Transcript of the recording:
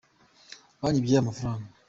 Banyibye amafaranga.